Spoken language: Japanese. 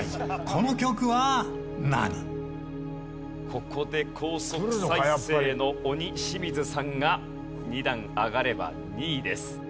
ここで高速再生の鬼清水さんが２段上がれば２位です。